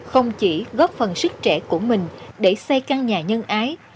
không chỉ góp phần sức trẻ của mình để xây căn nhà nhân ái